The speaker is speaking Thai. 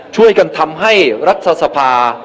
ช่วยกันทำให้รัฐสภา